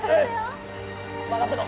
・任せろ。